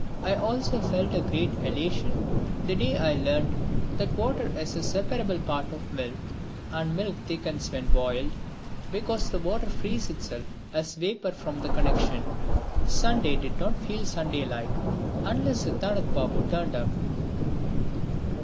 I also felt a great elation the day I learnt that water is a separable part of milk, and that milk thickens when boiled because the water frees itself as vapour from the connexion. Sunday did not feel Sunday like unless Sitanath Babu turned up.